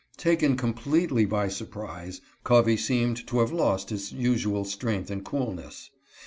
Taken completely by surprise, Covey seemed to have lost his usual strength and coolness.